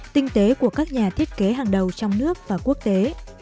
tinh tế của các nhà thiết kế hàng đầu trong nước và quốc tế